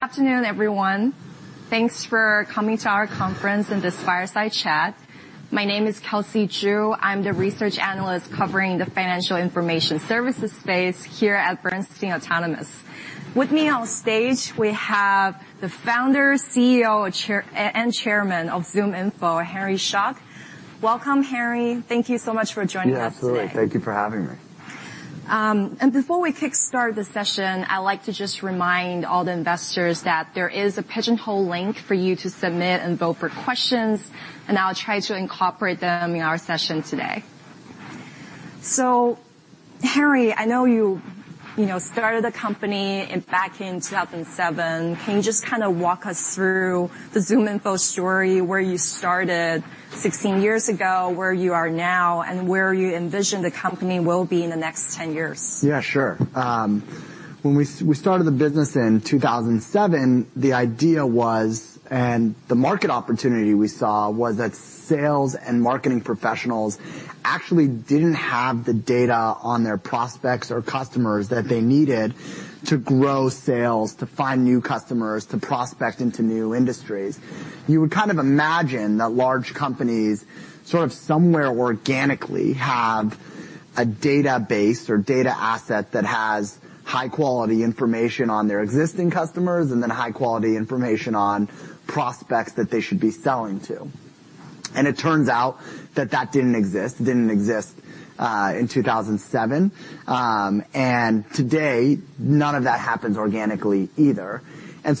Good afternoon, everyone. Thanks for coming to our conference and this fireside chat. My name is Kelsey Zhu. I'm the research analyst covering the financial information services space here at Bernstein Autonomous. With me on stage, we have the Founder, CEO, and Chairman of ZoomInfo, Henry Schuck. Welcome, Henry. Thank you so much for joining us today. Yeah, absolutely. Thank you for having me. Before we kickstart the session, I'd like to just remind all the investors that there is a Pigeonhole link for you to submit and vote for questions, and I'll try to incorporate them in our session today. Henry, I know you know, started the company back in 2007. Can you just kind of walk us through the ZoomInfo story, where you started 16 years ago, where you are now, and where you envision the company will be in the next 10 years? Yeah, sure. When we started the business in 2007, the idea was, the market opportunity we saw, was that sales and marketing professionals actually didn't have the data on their prospects or customers that they needed to grow sales, to find new customers, to prospect into new industries. You would kind of imagine that large companies, sort of somewhere organically, have a database or data asset that has high-quality information on their existing customers, then high-quality information on prospects that they should be selling to. It turns out that that didn't exist. It didn't exist in 2007. Today, none of that happens organically either.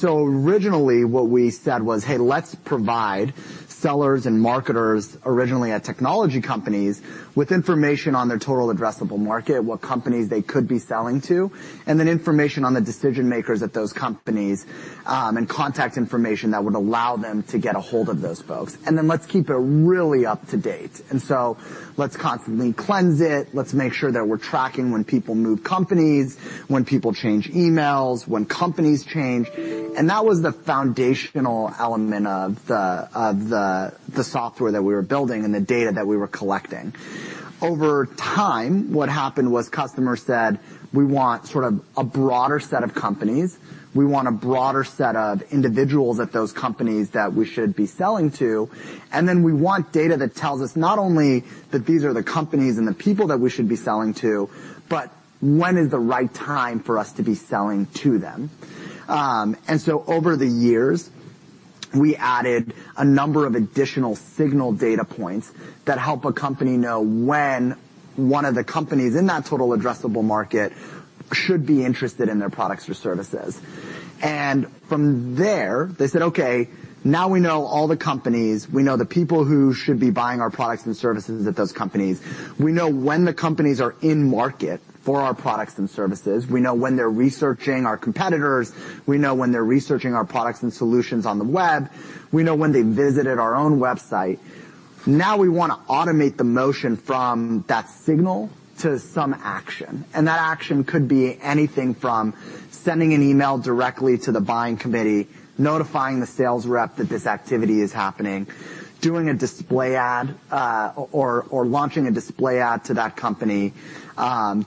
Originally, what we said was, "Hey, let's provide sellers and marketers originally at technology companies, with information on their total addressable market, what companies they could be selling to, then information on the decision makers at those companies, and contact information that would allow them to get ahold of those folks. Then let's keep it really up to date. Let's constantly cleanse it. Let's make sure that we're tracking when people move companies, when people change emails, when companies change." That was the foundational element of the software that we were building and the data that we were collecting. Over time, what happened was customers said, "We want sort of a broader set of companies. We want a broader set of individuals at those companies that we should be selling to. We want data that tells us not only that these are the companies and the people that we should be selling to, but when is the right time for us to be selling to them?" Over the years, we added a number of additional signal data points that help a company know when one of the companies in that total addressable market should be interested in their products or services. They said, "Okay, now we know all the companies, we know the people who should be buying our products and services at those companies. We know when the companies are in market for our products and services. We know when they're researching our competitors. We know when they're researching our products and solutions on the web. We know when they visited our own website. Now, we wanna automate the motion from that signal to some action. That action could be anything from sending an email directly to the buying committee, notifying the sales rep that this activity is happening, doing a display ad, or launching a display ad to that company,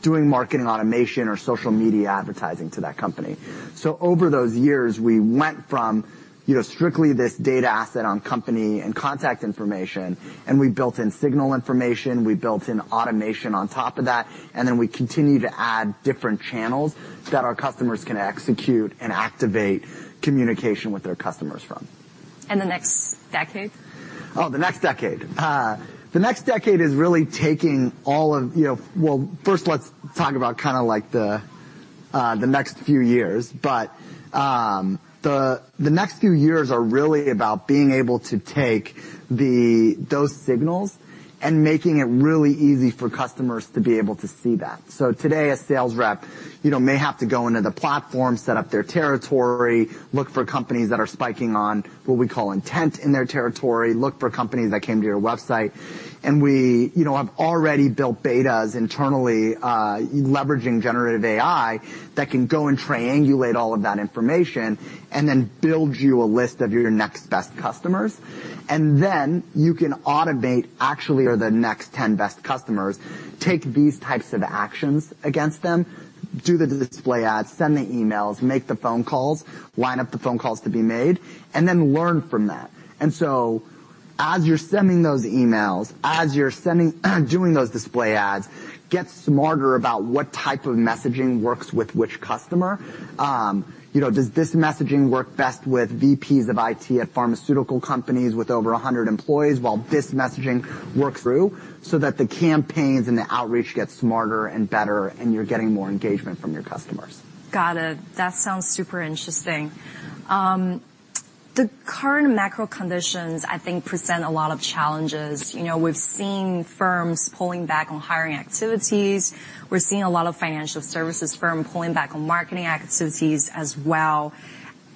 doing marketing automation or social media advertising to that company. Over those years, we went from, you know, strictly this data asset on company and contact information, and we built in signal information, we built in automation on top of that, and then we continued to add different channels that our customers can execute and activate communication with their customers from. The next decade? The next decade. The next decade is really taking all of... You know, well, first let's talk about kinda, like, the next few years. The next few years are really about being able to take those signals and making it really easy for customers to be able to see that. Today, a sales rep, you know, may have to go into the platform, set up their territory, look for companies that are spiking on what we call intent in their territory, look for companies that came to your website. You know, I've already built betas internally, leveraging generative AI, that can go and triangulate all of that information, and then build you a list of your next best customers. You can automate actually, or the next 10 best customers, take these types of actions against them, do the display ads, send the emails, make the phone calls, line up the phone calls to be made, and then learn from that. As you're sending those emails, as you're doing those display ads, get smarter about what type of messaging works with which customer. You know, does this messaging work best with VPs of IT at pharmaceutical companies with over 100 employees, while this messaging works through. The campaigns and the outreach get smarter and better, and you're getting more engagement from your customers. Got it. That sounds super interesting. The current macro conditions, I think, present a lot of challenges. You know, we've seen firms pulling back on hiring activities. We're seeing a lot of financial services firms pulling back on marketing activities as well.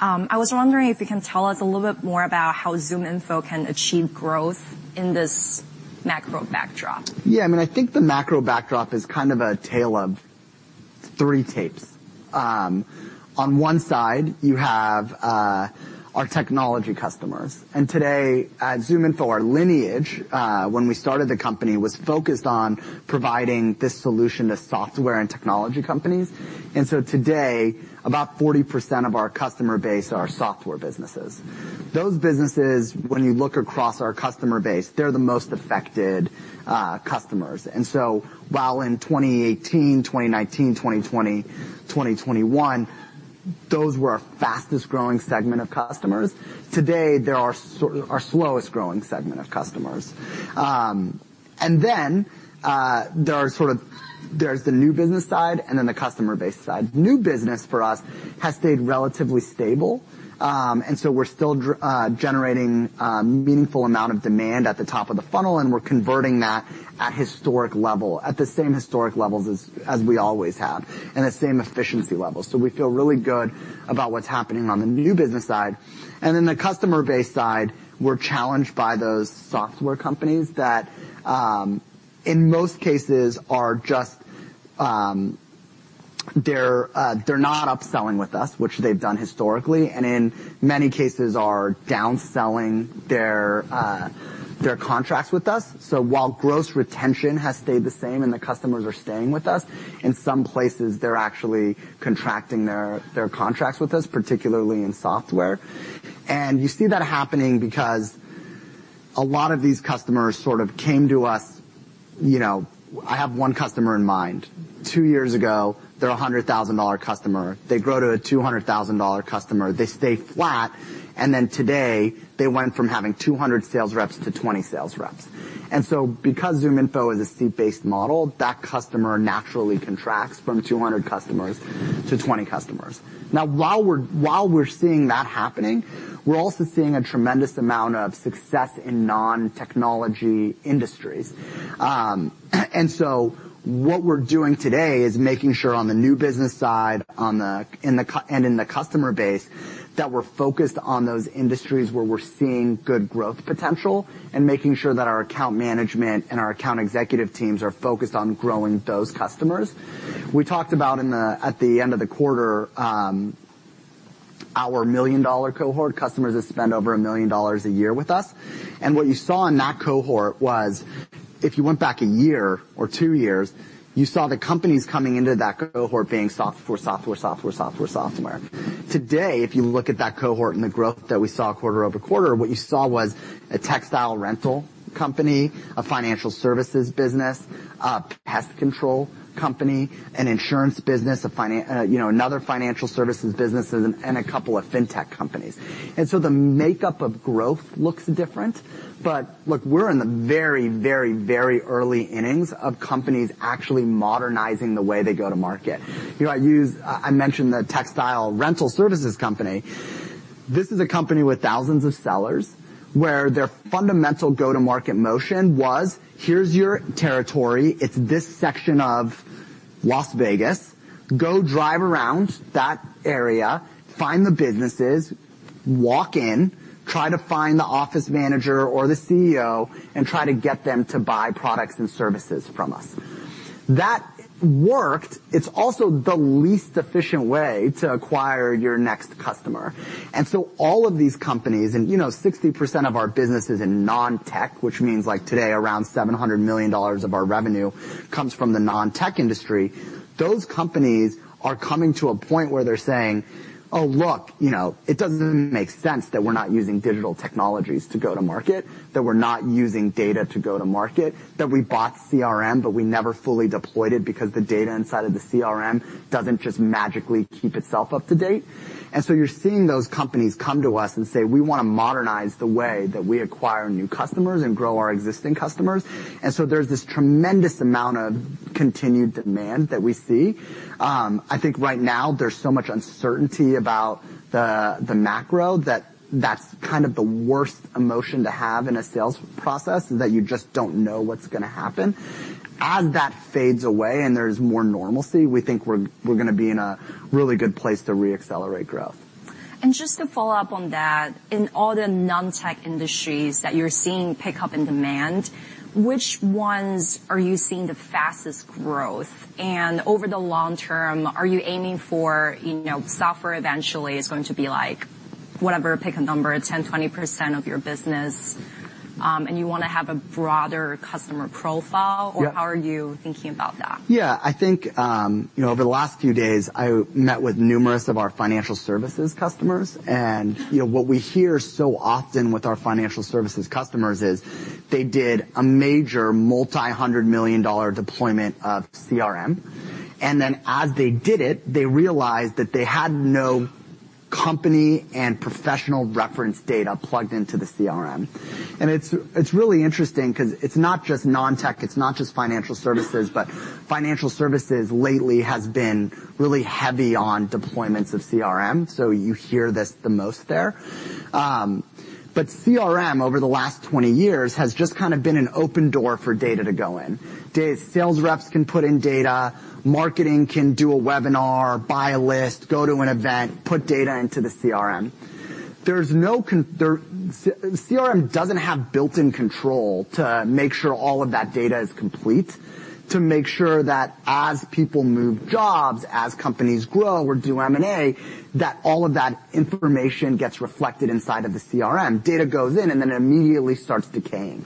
I was wondering if you can tell us a little bit more about how ZoomInfo can achieve growth in this macro backdrop. Yeah, I mean, I think the macro backdrop is kind of a tale of three tapes. On one side, you have our technology customers, and today at ZoomInfo, our lineage, when we started the company, was focused on providing this solution to software and technology companies. Today, about 40% of our customer base are software businesses. Those businesses, when you look across our customer base, they're the most affected customers. While in 2018, 2019, 2020, 2021, those were our fastest-growing segment of customers, today they are sort of our slowest growing segment of customers. There's the new business side and then the customer base side. New business for us has stayed relatively stable, and so we're still generating a meaningful amount of demand at the top of the funnel, and we're converting that at historic level, at the same historic levels as we always have, and the same efficiency levels. We feel really good about what's happening on the new business side. Then the customer base side, we're challenged by those software companies that, in most cases, are just, they're not upselling with us, which they've done historically, and in many cases are downselling their contracts with us. While gross retention has stayed the same and the customers are staying with us, in some places, they're actually contracting their contracts with us, particularly in software. You see that happening because a lot of these customers sort of came to us. You know, I have one customer in mind. Two years ago, they're a $100,000 customer. They grow to a $200,000 customer. They stay flat. Today, they went from having 200 sales reps to 20 sales reps. Because ZoomInfo is a seat-based model, that customer naturally contracts from 200 customers to 20 customers. While we're seeing that happening, we're also seeing a tremendous amount of success in non-technology industries. What we're doing today is making sure on the new business side and in the customer base, that we're focused on those industries where we're seeing good growth potential, and making sure that our account management and our account executive teams are focused on growing those customers. We talked about at the end of the quarter, our million-dollar cohort, customers that spend over $1 million a year with us. What you saw in that cohort was, if you went back a year or two years, you saw the companies coming into that cohort being software, software, software. Today, if you look at that cohort and the growth that we saw quarter-over-quarter, what you saw was a textile rental company, a financial services business, a pest control company, an insurance business, you know, another financial services business, and a couple of fintech companies. The makeup of growth looks different. Look, we're in the very, very, very early innings of companies actually modernizing the way they go to market. You know, I mentioned the textile rental services company. This is a company with thousands of sellers, where their fundamental go-to-market motion was, "Here's your territory. It's this section of Las Vegas. Go drive around that area, find the businesses, walk in, try to find the office manager or the CEO, and try to get them to buy products and services from us." That worked. It's also the least efficient way to acquire your next customer. All of these companies, and, you know, 60% of our business is in non-tech, which means, like, today, around $700 million of our revenue comes from the non-tech industry. Those companies are coming to a point where they're saying, "Oh, look, you know, it doesn't make sense that we're not using digital technologies to go to market, that we're not using data to go to market, that we bought CRM, but we never fully deployed it, because the data inside of the CRM doesn't just magically keep itself up to date." You're seeing those companies come to us and say, "We want to modernize the way that we acquire new customers and grow our existing customers." There's this tremendous amount of continued demand that we see. I think right now there's so much uncertainty about the macro, that that's kind of the worst emotion to have in a sales process, is that you just don't know what's gonna happen. As that fades away and there's more normalcy, we think we're gonna be in a really good place to re-accelerate growth. Just to follow up on that, in all the non-tech industries that you're seeing pick up in demand, which ones are you seeing the fastest growth? Over the long term, are you aiming for, you know, software eventually is going to be like, whatever, pick a number, 10%, 20% of your business, and you want to have a broader customer profile? Yeah. How are you thinking about that? Yeah, I think, you know, over the last few days, I met with numerous of our financial services customers. You know, what we hear so often with our financial services customers is, they did a major multi-hundred million dollar deployment of CRM, and then as they did it, they realized that they had no company and professional reference data plugged into the CRM. It's really interesting because it's not just non-tech, it's not just financial services, but financial services lately has been really heavy on deployments of CRM, so you hear this the most there. CRM, over the last 20 years, has just kind of been an open door for data to go in. Sales reps can put in data, marketing can do a webinar, buy a list, go to an event, put data into the CRM. There, CRM doesn't have built-in control to make sure all of that data is complete, to make sure that as people move jobs, as companies grow or do M&A, that all of that information gets reflected inside of the CRM. Data goes in, and then it immediately starts decaying.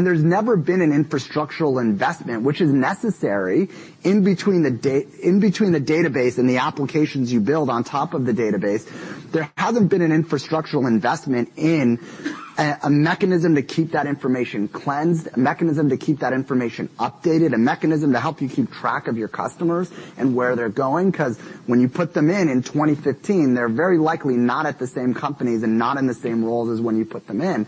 There's never been an infrastructural investment, which is necessary in between the database and the applications you build on top of the database. There hasn't been an infrastructural investment in a mechanism to keep that information cleansed, a mechanism to keep that information updated, a mechanism to help you keep track of your customers and where they're going, 'cause when you put them in in 2015, they're very likely not at the same companies and not in the same roles as when you put them in.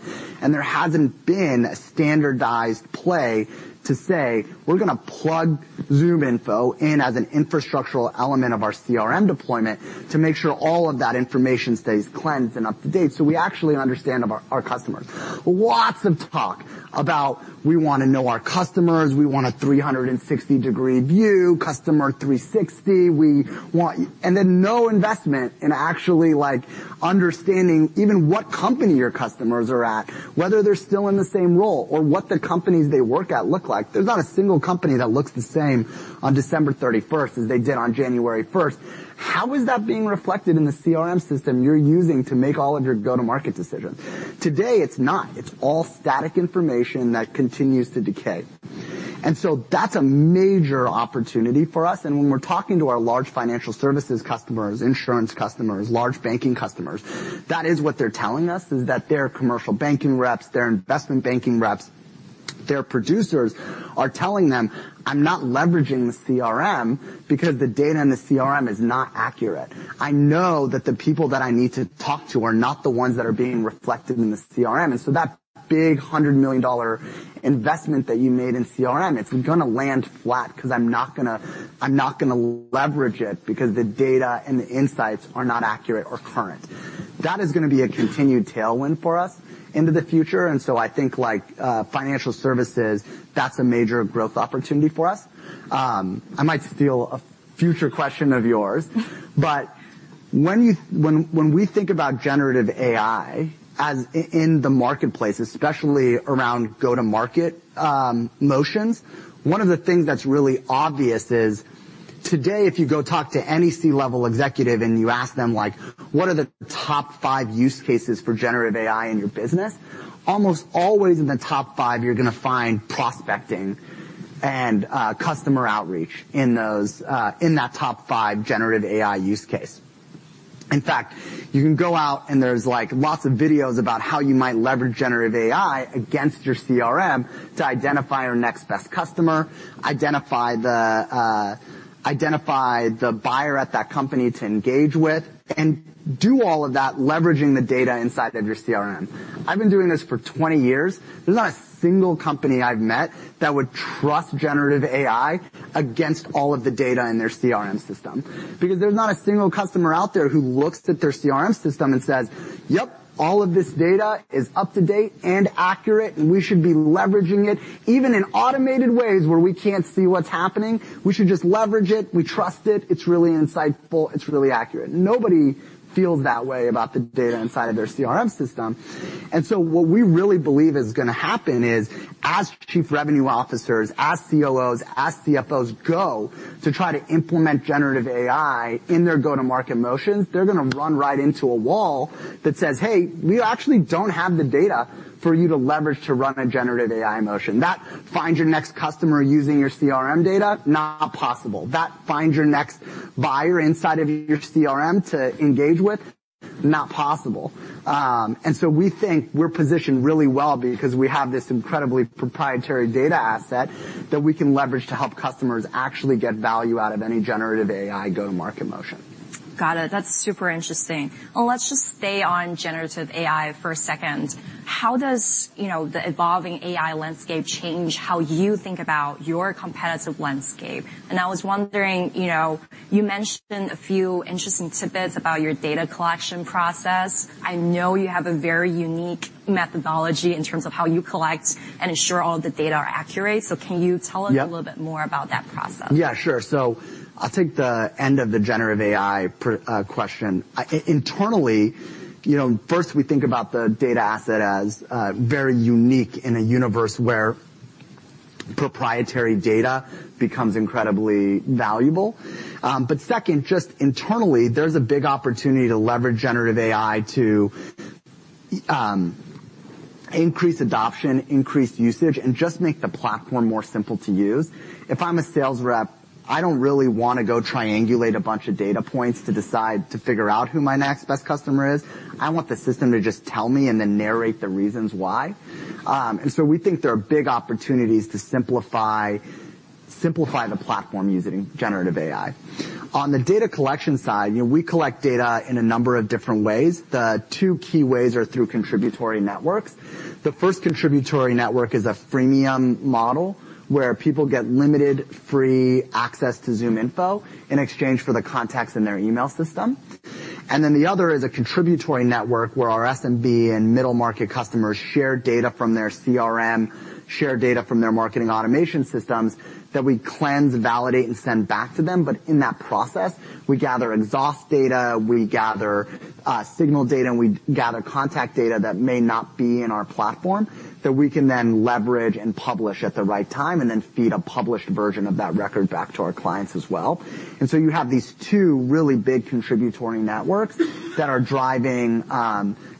There hasn't been a standardized play to say: We're gonna plug ZoomInfo in as an infrastructural element of our CRM deployment to make sure all of that information stays cleansed and up to date, so we actually understand about our customers. Lots of talk about, we wanna know our customers, we want a 360-degree view, customer 360, we want... No investment in actually, like, understanding even what company your customers are at, whether they're still in the same role or what the companies they work at look like. There's not a single company that looks the same on December 31st as they did on January 1st. How is that being reflected in the CRM system you're using to make all of your go-to-market decisions? Today, it's not. It's all static information that continues to decay. That's a major opportunity for us. When we're talking to our large financial services customers, insurance customers, large banking customers, that is what they're telling us, is that their commercial banking reps, their investment banking reps, their producers are telling them, "I'm not leveraging the CRM because the data in the CRM is not accurate. I know that the people that I need to talk to are not the ones that are being reflected in the CRM. That big $100 million investment that you made in CRM, it's gonna land flat 'cause I'm not gonna leverage it because the data and the insights are not accurate or current." That is gonna be a continued tailwind for us into the future, I think like, financial services, that's a major growth opportunity for us. I might steal a future question of yours. When we think about generative AI as in the marketplace, especially around go-to-market, motions, one of the things that's really obvious is today, if you go talk to any C-level executive, and you ask them, like, "What are the top five use cases for generative AI in your business?" Almost always in the top five, you're gonna find prospecting and customer outreach in those in that top five generative AI use case. In fact, you can go out, and there's, like, lots of videos about how you might leverage generative AI against your CRM to identify your next best customer, identify the buyer at that company to engage with, and do all of that, leveraging the data inside of your CRM. I've been doing this for 20 years. There's not a single company I've met that would trust generative AI against all of the data in their CRM system. There's not a single customer out there who looks at their CRM system and says, "Yep, all of this data is up to date and accurate, and we should be leveraging it even in automated ways where we can't see what's happening. We should just leverage it. We trust it. It's really insightful. It's really accurate." Nobody feels that way about the data inside of their CRM system. What we really believe is gonna happen is, as chief revenue officers, as COOs, as CFOs, go to try to implement generative AI in their go-to-market motions, they're gonna run right into a wall that says: Hey, we actually don't have the data for you to leverage to run a generative AI motion. That finds your next customer using your CRM data? Not possible. That finds your next buyer inside of your CRM to engage with? Not possible. We think we're positioned really well because we have this incredibly proprietary data asset that we can leverage to help customers actually get value out of any generative AI go-to-market motion. Got it. That's super interesting. Let's just stay on generative AI for a second. How does, you know, the evolving AI landscape change how you think about your competitive landscape? I was wondering, you know, you mentioned a few interesting tidbits about your data collection process. I know you have a very unique methodology in terms of how you collect and ensure all the data are accurate. Can you tell us- Yep. a little bit more about that process? Yeah, sure. I'll take the end of the generative AI question. Internally, you know, first, we think about the data asset as very unique in a universe where proprietary data becomes incredibly valuable. Second, just internally, there's a big opportunity to leverage generative AI to increase adoption, increase usage, and just make the platform more simple to use. If I'm a sales rep, I don't really wanna go triangulate a bunch of data points to figure out who my next best customer is. I want the system to just tell me and then narrate the reasons why. We think there are big opportunities to simplify the platform using generative AI. On the data collection side, you know, we collect data in a number of different ways. The two key ways are through contributory networks. The first contributory network is a freemium model, where people get limited free access to ZoomInfo in exchange for the contacts in their email system. The other is a contributory network, where our SMB and middle market customers share data from their CRM, share data from their marketing automation systems that we cleanse, validate, and send back to them. In that process, we gather exhaust data, we gather signal data, and we gather contact data that may not be in our platform, that we can then leverage and publish at the right time, and then feed a published version of that record back to our clients as well. You have these two really big contributory networks that are driving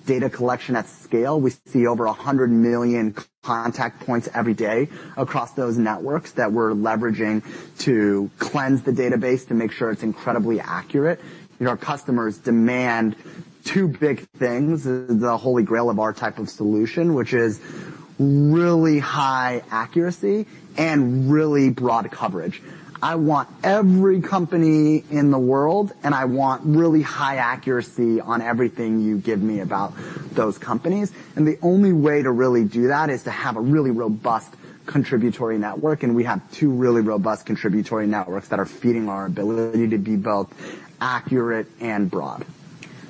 data collection at scale. We see over 100 million contact points every day across those networks that we're leveraging to cleanse the database to make sure it's incredibly accurate. You know, our customers demand two big things, the Holy Grail of our type of solution, which is really high accuracy and really broad coverage. I want every company in the world, and I want really high accuracy on everything you give me about those companies. The only way to really do that is to have a really robust contributory network, and we have two really robust contributory networks that are feeding our ability to be both accurate and broad.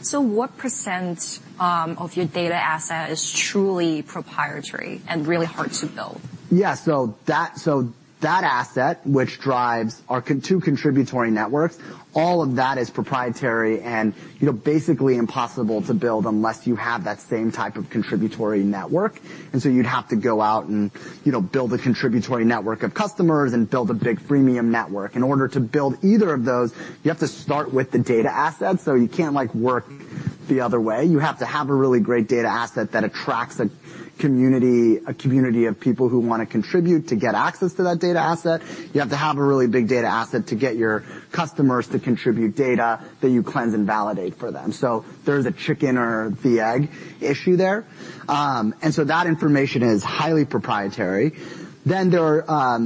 So what percent, of your data asset is truly proprietary and really hard to build? Yeah. That, so that asset, which drives our two contributory networks, all of that is proprietary and, you know, basically impossible to build unless you have that same type of contributory network. You'd have to go out and, you know, build a contributory network of customers and build a big freemium network. In order to build either of those, you have to start with the data asset, so you can't, like, work the other way. You have to have a really great data asset that attracts a community, a community of people who wanna contribute to get access to that data asset. You have to have a really big data asset to get your customers to contribute data that you cleanse and validate for them. There's a chicken or the egg issue there. That information is highly proprietary. There are...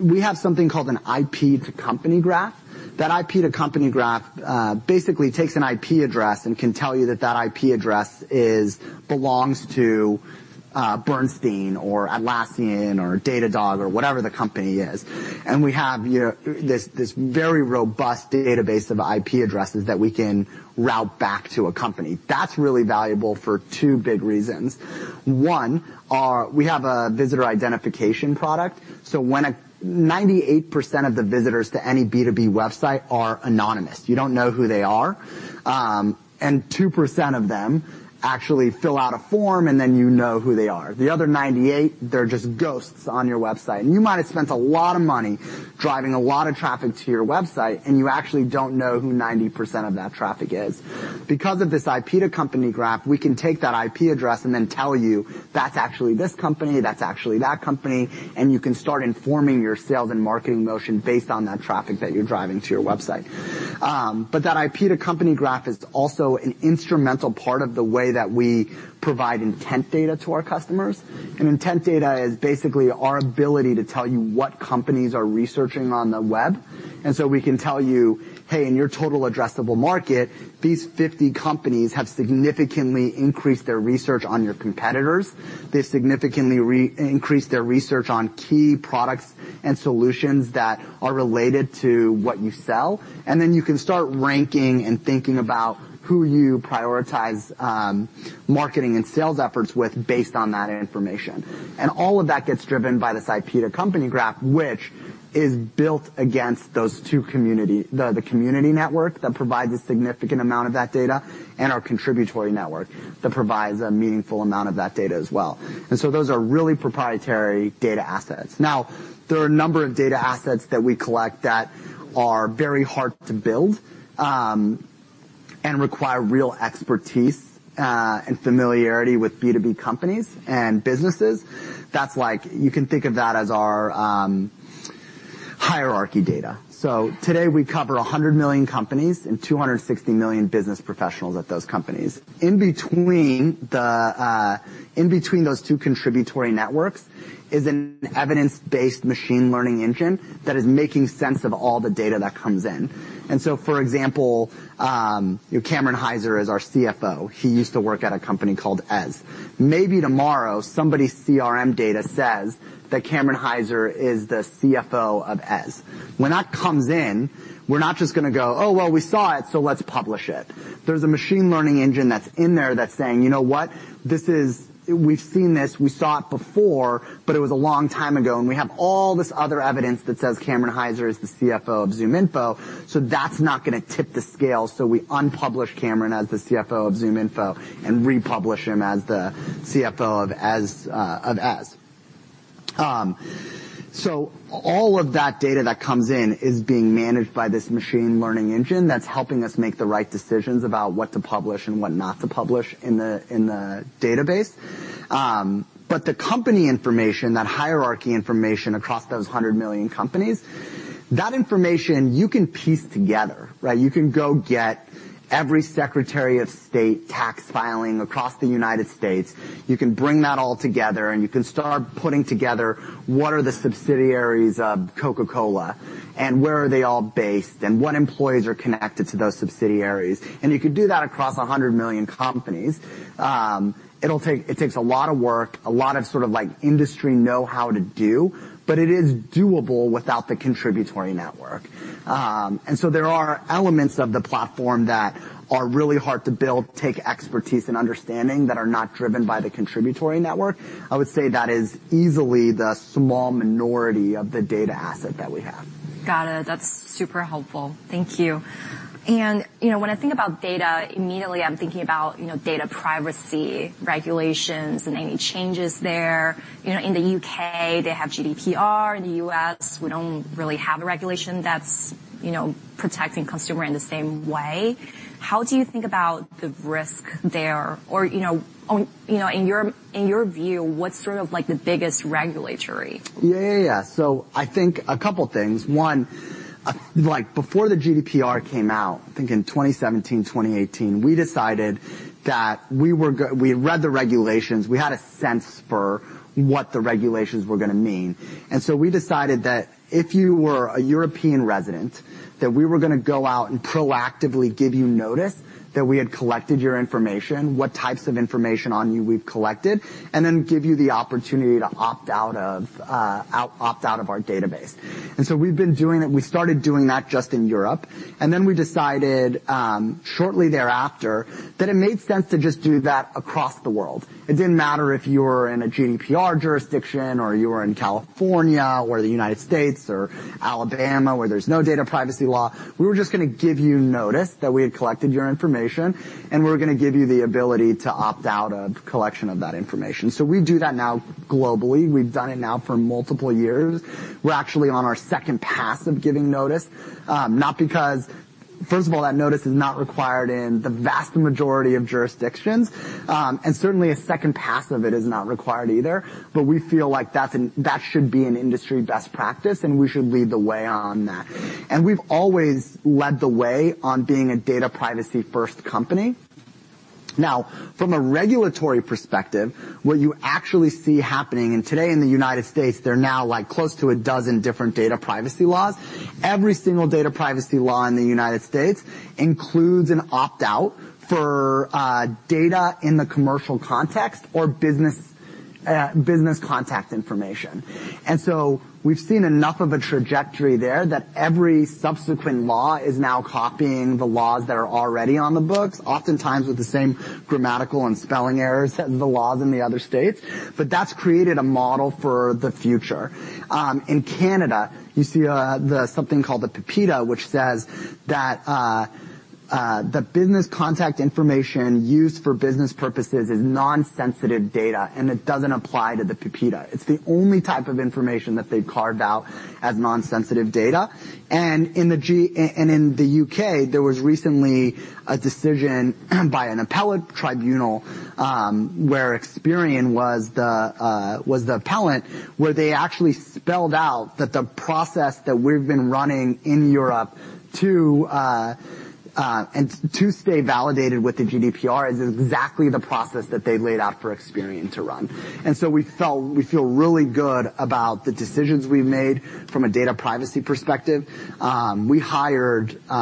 We have something called an IP to company graph. That IP to company graph, basically takes an IP address and can tell you that that IP address is, belongs to, Bernstein or Atlassian or Datadog or whatever the company is. We have, you know, this very robust database of IP addresses that we can route back to a company. That's really valuable for two big reasons. One, we have a visitor identification product, so when 98% of the visitors to any B2B website are anonymous. You don't know who they are. And 2% of them actually fill out a form, and then you know who they are. The other 98, they're just ghosts on your website, and you might have spent a lot of money driving a lot of traffic to your website, and you actually don't know who 90% of that traffic is. Because of this IP to company graph, we can take that IP address and then tell you, "That's actually this company, that's actually that company," and you can start informing your sales and marketing motion based on that traffic that you're driving to your website. That IP to company graph is also an instrumental part of the way that we provide intent data to our customers. intent data is basically our ability to tell you what companies are researching on the web. We can tell you, "Hey, in your total addressable market, these 50 companies have significantly increased their research on your competitors. They've significantly increased their research on key products and solutions that are related to what you sell." You can start ranking and thinking about who you prioritize, marketing and sales efforts with based on that information. All of that gets driven by this IP to company graph, which is built against the community network that provides a significant amount of that data, and our contributory network, that provides a meaningful amount of that data as well. Those are really proprietary data assets. Now, there are a number of data assets that we collect that are very hard to build, and require real expertise, and familiarity with B2B companies and businesses. That's like. You can think of that as our, hierarchy data. Today we cover 100 million companies and 260 million business professionals at those companies. In between the, in between those two contributory networks is an evidence-based machine learning engine that is making sense of all the data that comes in. For example, Cameron Hyzer is our CFO. He used to work at a company called Eze. Maybe tomorrow, somebody's CRM data says that Cameron Hyzer is the CFO of Eze. When that comes in, we're not just gonna go, "Oh, well, we saw it, so let's publish it." There's a machine learning engine that's in there that's saying: "You know what? We've seen this, we saw it before, but it was a long time ago, and we have all this other evidence that says Cameron Hyzer is the CFO of ZoomInfo, so that's not gonna tip the scale. We unpublish Cameron as the CFO of ZoomInfo and republish him as the CFO of Eze, of Eze." All of that data that comes in is being managed by this machine learning engine that's helping us make the right decisions about what to publish and what not to publish in the database. But the company information, that hierarchy information across those 100 million companies. That information you can piece together, right? You can go get every Secretary of State tax filing across the United States. You can bring that all together, you can start putting together what are the subsidiaries of Coca-Cola, and where are they all based, and what employees are connected to those subsidiaries. You can do that across 100 million companies. It takes a lot of work, a lot of sort of like industry know-how to do, but it is doable without the contributory network. There are elements of the platform that are really hard to build, take expertise and understanding that are not driven by the contributory network. I would say that is easily the small minority of the data asset that we have. Got it. That's super helpful. Thank you. You know, when I think about data, immediately, I'm thinking about, you know, data privacy regulations and any changes there. You know, in the U.K., they have GDPR. In the U.S., we don't really have a regulation that's, you know, protecting consumer in the same way. How do you think about the risk there? You know, in your view, what's sort of like the biggest regulatory? Yeah, yeah. I think a couple things. One, like before the GDPR came out, I think in 2017, 2018, we decided that we read the regulations. We had a sense for what the regulations were gonna mean. We decided that if you were a European resident, that we were gonna go out and proactively give you notice that we had collected your information, what types of information on you we've collected, and then give you the opportunity to opt out of our database. We've been doing it. We started doing that just in Europe. We decided shortly thereafter that it made sense to just do that across the world. It didn't matter if you were in a GDPR jurisdiction or you were in California or the United States or Alabama, where there's no data privacy law. We were just gonna give you notice that we had collected your information, and we were gonna give you the ability to opt out of collection of that information. We do that now globally. We've done it now for multiple years. We're actually on our second pass of giving notice, not because... First of all, that notice is not required in the vast majority of jurisdictions, and certainly a second pass of it is not required either. We feel like that should be an industry best practice, and we should lead the way on that. We've always led the way on being a data privacy-first company. From a regulatory perspective, what you actually see happening, today in the United States, there are now, like, close to a dozen different data privacy laws. Every single data privacy law in the United States includes an opt-out for data in the commercial context or business contact information. We've seen enough of a trajectory there that every subsequent law is now copying the laws that are already on the books, oftentimes with the same grammatical and spelling errors as the laws in the other states. That's created a model for the future. In Canada, you see something called the PIPEDA, which says that the business contact information used for business purposes is non-sensitive data, and it doesn't apply to the PIPEDA. It's the only type of information that they've carved out as non-sensitive data. In the U.K., there was recently a decision by an appellate tribunal, where Experian was the appellant, where they actually spelled out that the process that we've been running in Europe to stay validated with the GDPR is exactly the process that they laid out for Experian to run. So we feel really good about the decisions we've made from a data privacy perspective.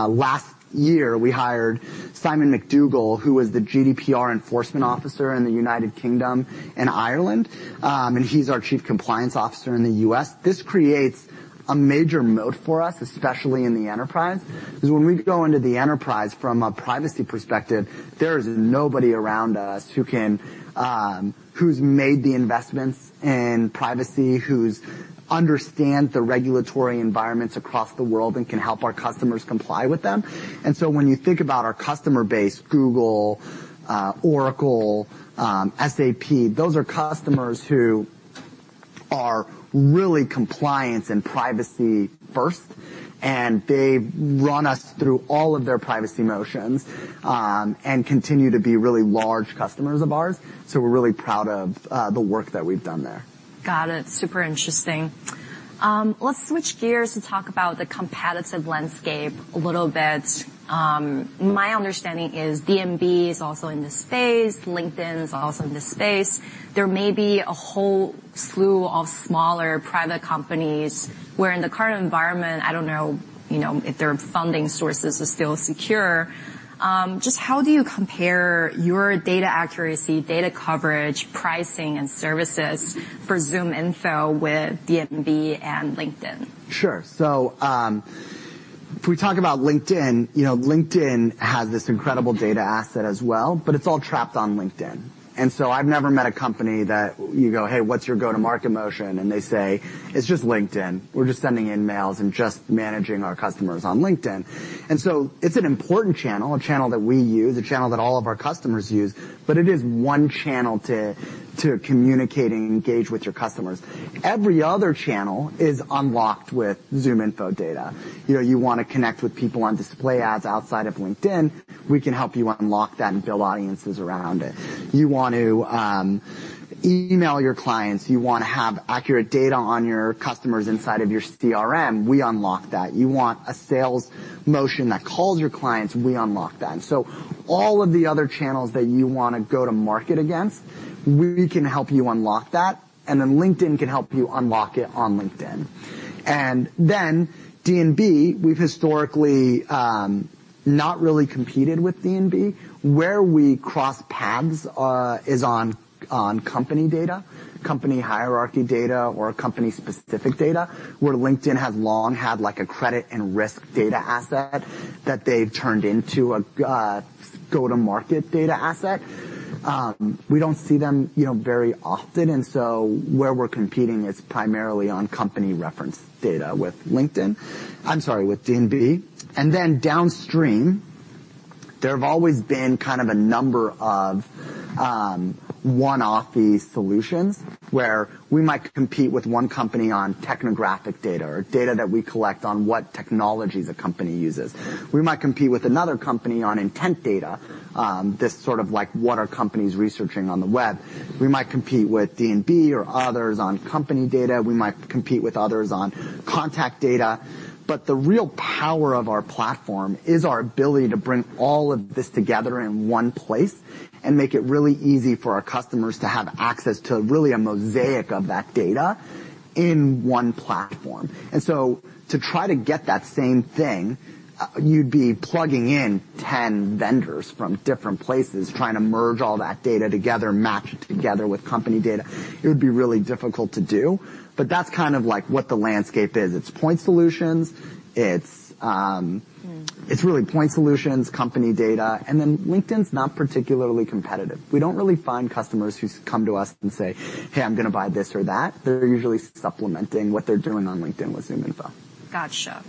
Last year, we hired Simon McDougall, who was the GDPR enforcement officer in the United Kingdom and Ireland, he's our Chief Compliance Officer in the U.S. This creates a major moat for us, especially in the enterprise. Because when we go into the enterprise from a privacy perspective, there is nobody around us who can, who's made the investments in privacy, who's understand the regulatory environments across the world and can help our customers comply with them. When you think about our customer base, Google, Oracle, SAP, those are customers who are really compliance and privacy first, and they've run us through all of their privacy motions, and continue to be really large customers of ours. We're really proud of the work that we've done there. Got it. Super interesting. Let's switch gears to talk about the competitive landscape a little bit. My understanding is D&B is also in this space. LinkedIn is also in this space. There may be a whole slew of smaller private companies where in the current environment, I don't know, you know, if their funding sources are still secure. Just how do you compare your data accuracy, data coverage, pricing, and services for ZoomInfo with D&B and LinkedIn? Sure. If we talk about LinkedIn, you know, LinkedIn has this incredible data asset as well, but it's all trapped on LinkedIn. I've never met a company that you go, "Hey, what's your go-to-market motion?" And they say, "It's just LinkedIn. We're just sending InMail and just managing our customers on LinkedIn." It's an important channel, a channel that we use, a channel that all of our customers use, but it is one channel to communicate and engage with your customers. Every other channel is unlocked with ZoomInfo data. You know, you wanna connect with people on display ads outside of LinkedIn, we can help you unlock that and build audiences around it. You want to email your clients, you wanna have accurate data on your customers inside of your CRM, we unlock that. You want a sales motion that calls your clients, we unlock that. All of the other channels that you wanna go to market against, we can help you unlock that, and then LinkedIn can help you unlock it on LinkedIn. D&B, we've historically not really competed with D&B. Where we cross paths is on company data, company hierarchy data, or company-specific data, where LinkedIn has long had like a credit and risk data asset that they've turned into a go-to-market data asset. We don't see them, you know, very often, and so where we're competing is primarily on company reference data with LinkedIn. I'm sorry, with D&B. Downstream, there have always been kind of a number of one-off solutions, where we might compete with one company on technographic data or data that we collect on what technologies a company uses. We might compete with another company on intent data, this sort of like, what are companies researching on the web? We might compete with D&B or others on company data. We might compete with others on contact data. The real power of our platform is our ability to bring all of this together in one place and make it really easy for our customers to have access to really a mosaic of that data in one platform. To try to get that same thing, you'd be plugging in 10 vendors from different places, trying to merge all that data together, match it together with company data. It would be really difficult to do, but that's kind of like what the landscape is. It's point solutions, it's. Mm. It's really point solutions, company data, and then LinkedIn's not particularly competitive. We don't really find customers who come to us and say, "Hey, I'm gonna buy this or that." They're usually supplementing what they're doing on LinkedIn with ZoomInfo. Gotcha.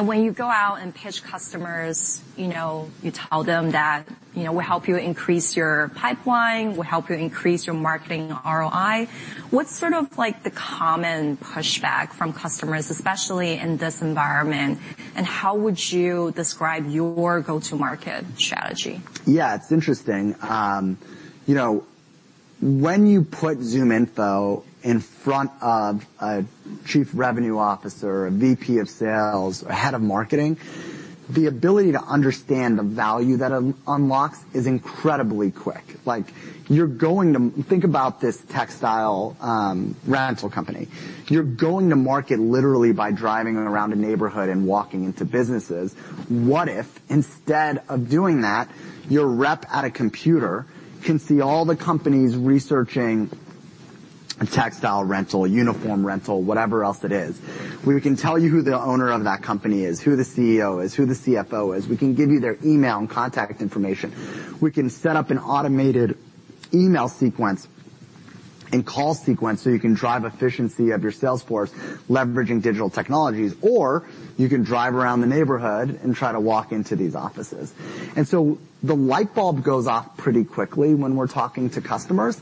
When you go out and pitch customers, you know, you tell them that, "You know, we'll help you increase your pipeline. We'll help you increase your marketing ROI." What's sort of like the common pushback from customers, especially in this environment, and how would you describe your go-to-market strategy? Yeah, it's interesting. You know, when you put ZoomInfo in front of a chief revenue officer or a VP of sales or head of marketing, the ability to understand the value that unlocks is incredibly quick. Like, Think about this textile rental company. You're going to market literally by driving around a neighborhood and walking into businesses. What if, instead of doing that, your rep at a computer can see all the companies researching textile rental, uniform rental, whatever else it is? We can tell you who the owner of that company is, who the CEO is, who the CFO is. We can give you their email and contact information. We can set up an automated email sequence and call sequence, so you can drive efficiency of your sales force, leveraging digital technologies, or you can drive around the neighborhood and try to walk into these offices. The light bulb goes off pretty quickly when we're talking to customers.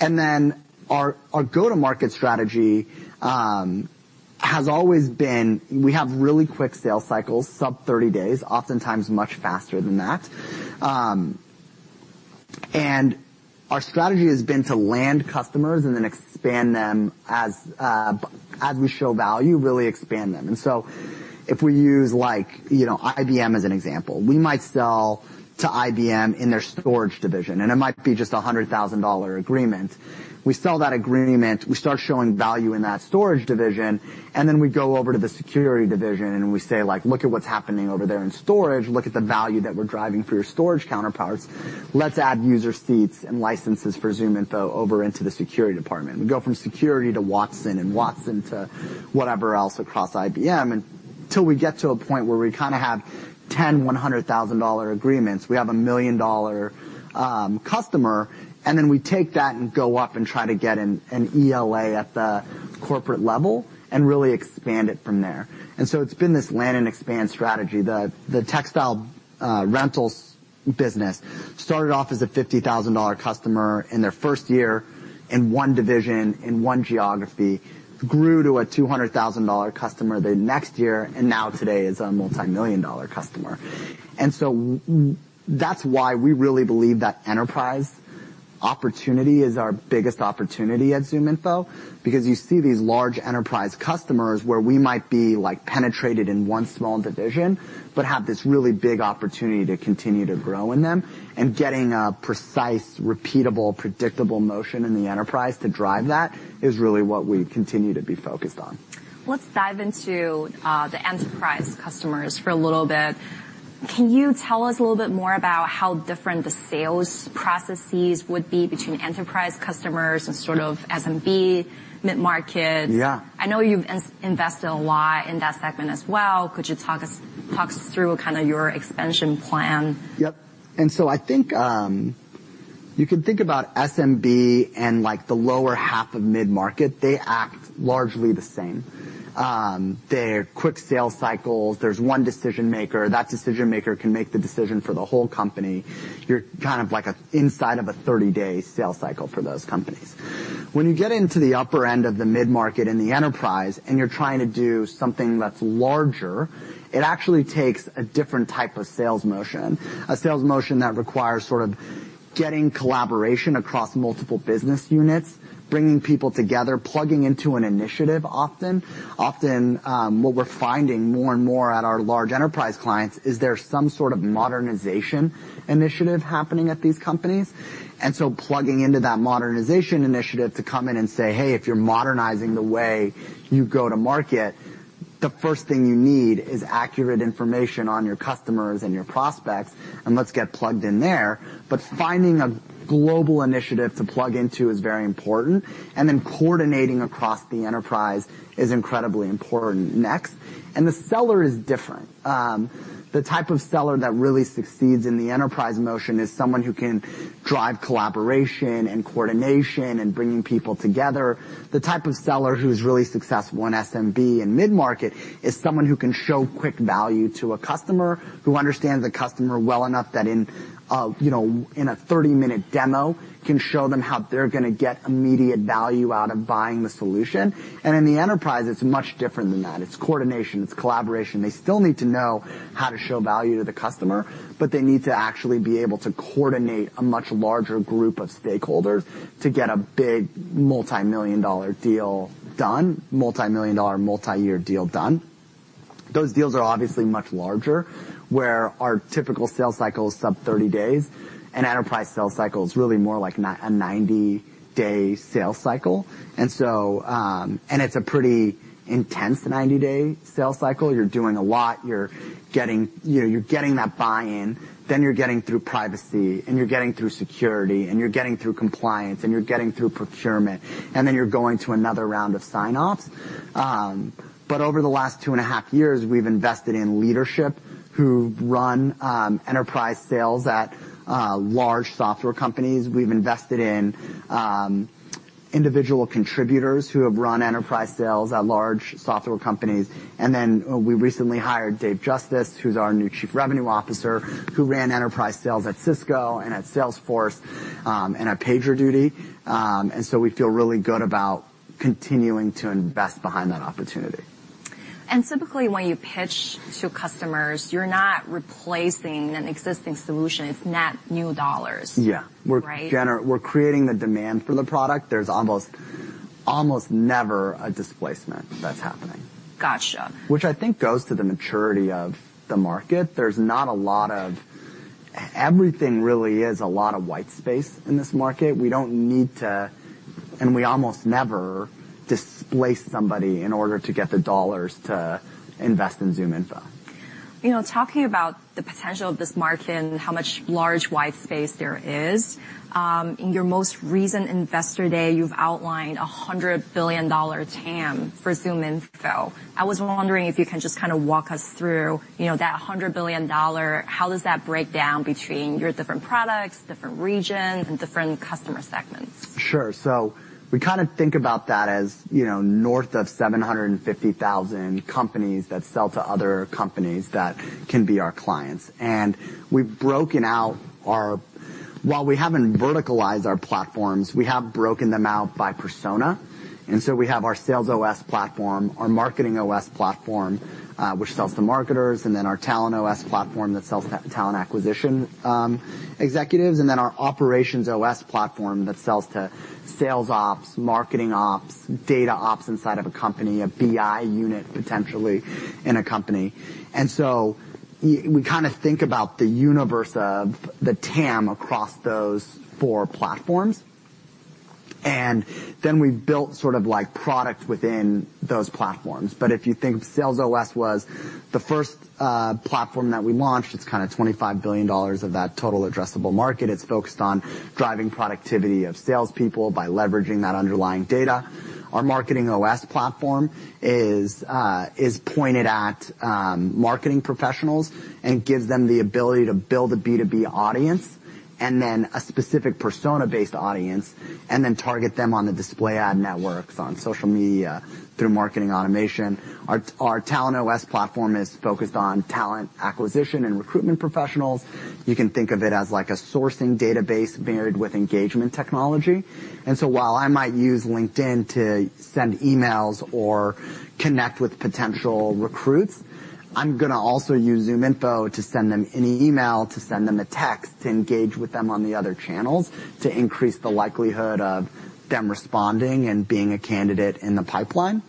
Our go-to-market strategy has always been we have really quick sales cycles, sub 30 days, oftentimes much faster than that. Our strategy has been to land customers and then expand them as we show value, really expand them. If we use, like, you know, IBM as an example, we might sell to IBM in their storage division, and it might be just a $100,000 agreement. We sell that agreement, we start showing value in that storage division, and then we go over to the security division, and we say, like, "Look at what's happening over there in storage. Look at the value that we're driving for your storage counterparts. Let's add user seats and licenses for ZoomInfo over into the security department." We go from security to Watson and Watson to whatever else across IBM, until we get to a point where we kinda have $10, $100,000 agreements. We have a $1 million customer, and then we take that and go up and try to get an ELA at the corporate level and really expand it from there. It's been this land and expand strategy. The textile rentals business started off as a $50,000 customer in their first year in one division, in one geography, grew to a $200,000 customer the next year, and now today is a multimillion-dollar customer. That's why we really believe that enterprise opportunity is our biggest opportunity at ZoomInfo, because you see these large enterprise customers where we might be like, penetrated in one small division, but have this really big opportunity to continue to grow in them. Getting a precise, repeatable, predictable motion in the enterprise to drive that is really what we continue to be focused on. Let's dive into the enterprise customers for a little bit. Can you tell us a little bit more about how different the sales processes would be between enterprise customers and sort of SMB mid-market? Yeah. I know you've invested a lot in that segment as well. Could you talk us through kind of your expansion plan? Yep. I think, you can think about SMB and like the lower half of mid-market, they act largely the same. They're quick sales cycles. There's one decision maker. That decision maker can make the decision for the whole company. You're kind of like a inside of a 30-day sales cycle for those companies. When you get into the upper end of the mid-market and the enterprise, and you're trying to do something that's larger, it actually takes a different type of sales motion. A sales motion that requires sort of getting collaboration across multiple business units, bringing people together, plugging into an initiative often. Often, what we're finding more and more at our large enterprise clients, is there's some sort of modernization initiative happening at these companies. Plugging into that modernization initiative to come in and say, "Hey, if you're modernizing the way you go to market, the first thing you need is accurate information on your customers and your prospects, and let's get plugged in there." Finding a global initiative to plug into is very important, and then coordinating across the enterprise is incredibly important next. The seller is different. The type of seller that really succeeds in the enterprise motion is someone who can drive collaboration and coordination and bringing people together. The type of seller who's really successful in SMB and mid-market is someone who can show quick value to a customer, who understands the customer well enough that in, you know, in a 30-minute demo, can show them how they're gonna get immediate value out of buying the solution. In the enterprise, it's much different than that. It's coordination, it's collaboration. They still need to know how to show value to the customer, but they need to actually be able to coordinate a much larger group of stakeholders to get a big multi-million dollar deal done, multi-million dollar, multi-year deal done. Those deals are obviously much larger, where our typical sales cycle is sub 30 days, an enterprise sales cycle is really more like a 90-day sales cycle. It's a pretty intense 90-day sales cycle. You're doing a lot, You know, you're getting that buy-in, then you're getting through privacy, and you're getting through security, and you're getting through compliance, and you're getting through procurement, and then you're going to another round of sign-offs. Over the last two and a half years, we've invested in leadership who run enterprise sales at large software companies. We've invested in individual contributors who have run enterprise sales at large software companies. We recently hired Dave Justice, who's our new chief revenue officer, who ran enterprise sales at Cisco and at Salesforce and at PagerDuty. We feel really good about continuing to invest behind that opportunity. Typically, when you pitch to customers, you're not replacing an existing solution, it's net new dollars. Yeah. Right? We're creating the demand for the product. There's almost never a displacement that's happening. Gotcha. Which I think goes to the maturity of the market. There's not a lot of everything really is a lot of white space in this market. We don't need to, and we almost never displace somebody in order to get the dollars to invest in ZoomInfo. You know, talking about the potential of this market and how much large white space there is, in your most recent Investor Day, you've outlined a $100 billion TAM for ZoomInfo. I was wondering if you can just kinda walk us through, you know, that $100 billion, how does that break down between your different products, different regions, and different customer segments? Sure. We kinda think about that as, you know, north of 750,000 companies that sell to other companies that can be our clients. We've broken out our-- While we haven't verticalized our platforms, we have broken them out by persona. We have our SalesOS platform, our MarketingOS platform, which sells to marketers. Our TalentOS platform that sells to talent acquisition, executives. Our OperationsOS platform that sells to sales ops, marketing ops, data ops inside of a company, a BI unit, potentially in a company. We kinda think about the universe of the TAM across those four platforms, and then we've built sort of like product within those platforms. If you think of SalesOS was the first, platform that we launched, it's kinda $25 billion of that total addressable market. It's focused on driving productivity of salespeople by leveraging that underlying data. Our MarketingOS platform is pointed at marketing professionals and gives them the ability to build a B2B audience, and then a specific persona-based audience, and then target them on the display ad networks, on social media, through marketing automation. Our TalentOS platform is focused on talent acquisition and recruitment professionals. You can think of it as like a sourcing database married with engagement technology. While I might use LinkedIn to send emails or connect with potential recruits, I'm gonna also use ZoomInfo to send them an email, to send them a text, to engage with them on the other channels, to increase the likelihood of them responding and being a candidate in the pipeline.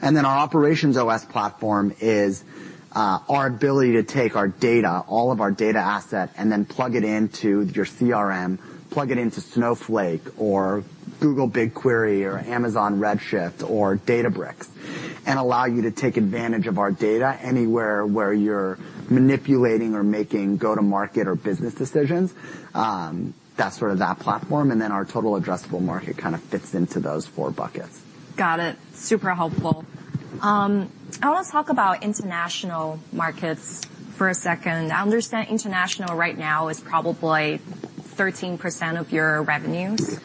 Then our OperationsOS platform is our ability to take our data, all of our data asset, and then plug it into your CRM, plug it into Snowflake or Google BigQuery or Amazon Redshift or Databricks, and allow you to take advantage of our data anywhere where you're manipulating or making go-to-market or business decisions. That's sort of that platform, then our total addressable market kinda fits into those four buckets. Got it. Super helpful. I want to talk about international markets for a second. I understand international right now is probably 13% of your revenues. You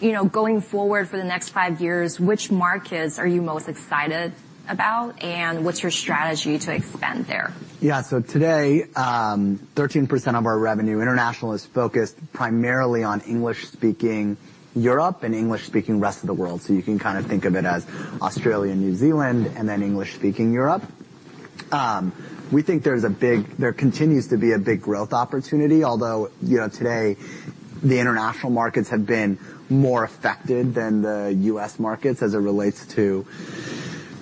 know, going forward for the next 5 years, which markets are you most excited about, and what's your strategy to expand there? Today, 13% of our revenue international is focused primarily on English-speaking Europe and English-speaking rest of the world. You can kind of think of it as Australia, New Zealand, and then English-speaking Europe. We think there continues to be a big growth opportunity, although, you know, today, the international markets have been more affected than the U.S. markets as it relates to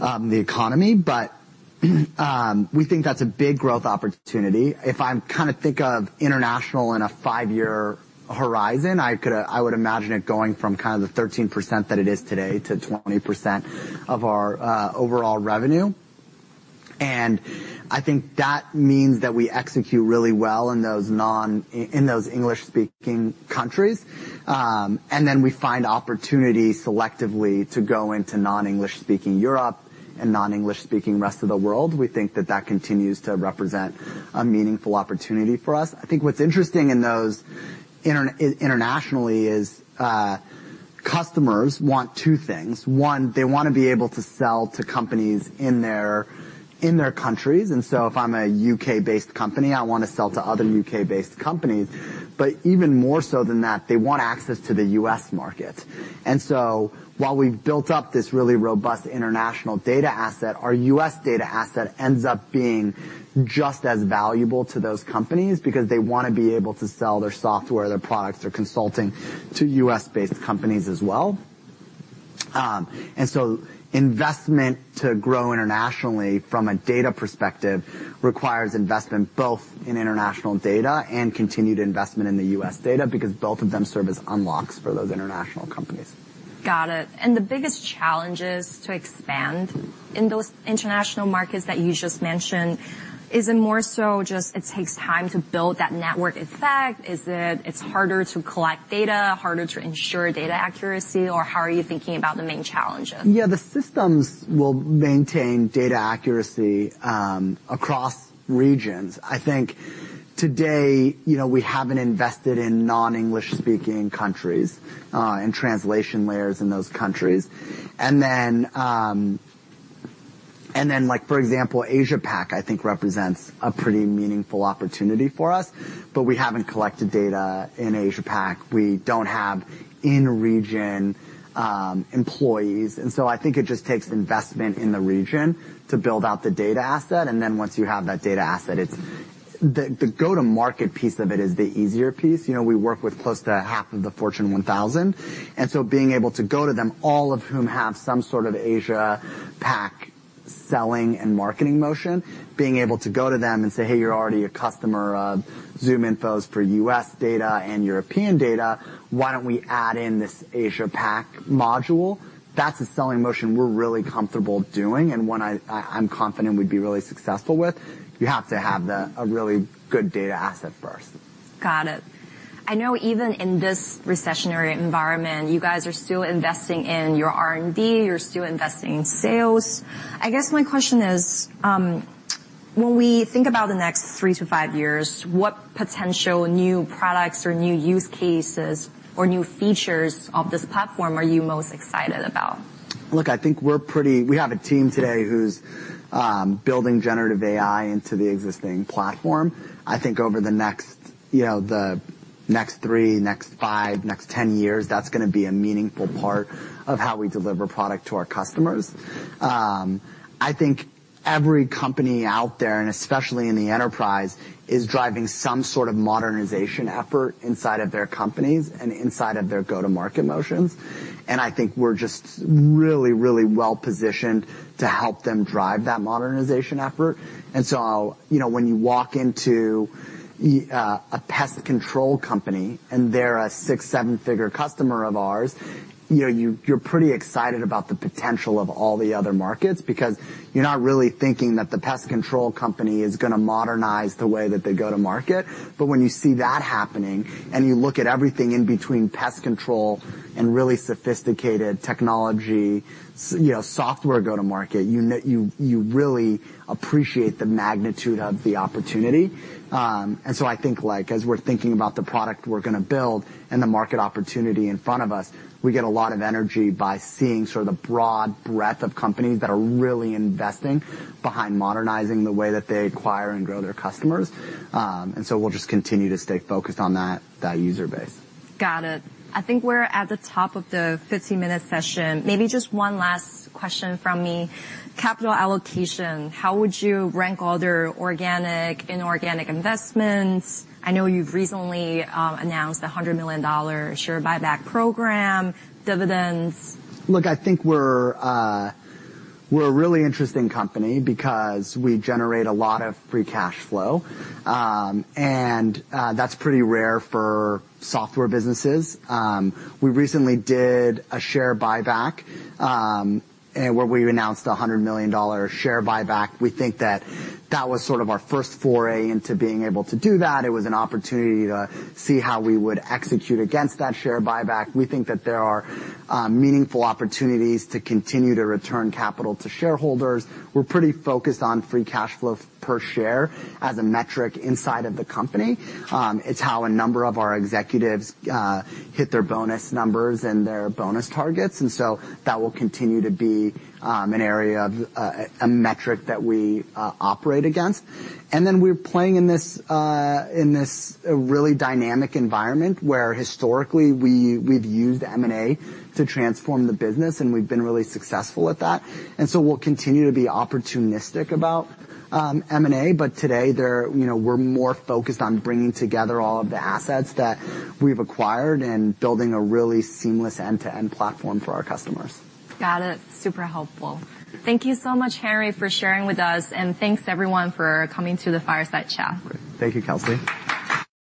the economy. We think that's a big growth opportunity. If I'm kind of think of international in a five-year horizon, I would imagine it going from kind of the 13% that it is today to 20% of our overall revenue. I think that means that we execute really well in those English-speaking countries. We find opportunities selectively to go into non-English speaking Europe and non-English speaking rest of the world. We think that continues to represent a meaningful opportunity for us. I think what's interesting in those internationally is customers want two things. One, they want to be able to sell to companies in their, in their countries. So if I'm a UK-based company, I want to sell to other UK-based companies, but even more so than that, they want access to the US market. While we've built up this really robust international data asset, our US data asset ends up being just as valuable to those companies because they want to be able to sell their software, their products, their consulting to US-based companies as well. Investment to grow internationally from a data perspective, requires investment both in international data and continued investment in the U.S. data, because both of them serve as unlocks for those international companies. Got it. The biggest challenges to expand in those international markets that you just mentioned, is it more so just it takes time to build that network effect? Is it's harder to collect data, harder to ensure data accuracy, or how are you thinking about the main challenges? Yeah, the systems will maintain data accuracy across regions. I think today, you know, we haven't invested in non-English-speaking countries and translation layers in those countries. Like, for example, Asia Pac, I think represents a pretty meaningful opportunity for us, but we haven't collected data in Asia Pac. We don't have in-region employees. I think it just takes investment in the region to build out the data asset, and then once you have that data asset, it's. The go-to-market piece of it is the easier piece. You know, we work with close to half of the Fortune 1000, and so being able to go to them, all of whom have some sort of Asia Pac selling and marketing motion, being able to go to them and say, "Hey, you're already a customer of ZoomInfo's for U.S. data and European data, why don't we add in this Asia Pac module?" That's a selling motion we're really comfortable doing, and one I'm confident we'd be really successful with. You have to have a really good data asset first. Got it. I know even in this recessionary environment, you guys are still investing in your R&D, you're still investing in sales. I guess my question is, when we think about the next three to five years, what potential new products or new use cases or new features of this platform are you most excited about? Look, I think we have a team today who's building generative AI into the existing platform. I think over the next, you know, the next three, next five, next ten years, that's gonna be a meaningful part of how we deliver product to our customers. I think every company out there, especially in the enterprise, is driving some sort of modernization effort inside of their companies and inside of their go-to-market motions. I think we're just really, really well positioned to help them drive that modernization effort. You know, when you walk into a pest control company and they're a 6, 7-figure customer of ours, you know, you're pretty excited about the potential of all the other markets because you're not really thinking that the pest control company is gonna modernize the way that they go to market. When you see that happening, and you look at everything in between pest control and really sophisticated technology, so, you know, software go-to-market, you really appreciate the magnitude of the opportunity. I think like, as we're thinking about the product we're gonna build and the market opportunity in front of us, we get a lot of energy by seeing sort of the broad breadth of companies that are really investing behind modernizing the way that they acquire and grow their customers. We'll just continue to stay focused on that user base. Got it. I think we're at the top of the 50-minute session. Maybe just one last question from me. Capital allocation, how would you rank all the organic, inorganic investments? I know you've recently announced a $100 million share buyback program, dividends. Look, I think we're a really interesting company because we generate a lot of free cash flow, and that's pretty rare for software businesses. We recently did a share buyback, and where we announced a $100 million share buyback. We think that that was sort of our first foray into being able to do that. It was an opportunity to see how we would execute against that share buyback. We think that there are meaningful opportunities to continue to return capital to shareholders. We're pretty focused on free cash flow per share as a metric inside of the company. It's how a number of our executives hit their bonus numbers and their bonus targets, and so that will continue to be an area of a metric that we operate against. We're playing in this, in this really dynamic environment where historically we've used M&A to transform the business, and we've been really successful at that. We'll continue to be opportunistic about M&A. You know, we're more focused on bringing together all of the assets that we've acquired and building a really seamless end-to-end platform for our customers. Got it. Super helpful. Thank you so much, Henry, for sharing with us, and thanks everyone for coming to the fireside chat. Thank you, Kelsey.